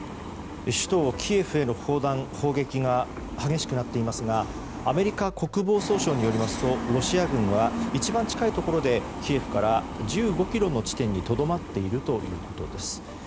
首都キエフへの砲撃が激しくなっていますがアメリカ国防総省によりますとロシア軍は一番近いところでキエフから１５ｋｍの地点にとどまっているということです。